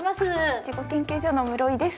いちご研究所の室井です。